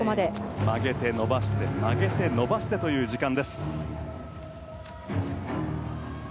曲げて伸ばして曲げて伸ばしてという時間。